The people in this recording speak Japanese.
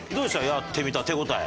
やってみた手応え。